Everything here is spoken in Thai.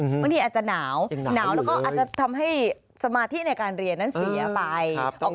บางทีอาจจะหนาวหนาวแล้วก็อาจจะทำให้สมาธิในการเรียนนั้นเสียไป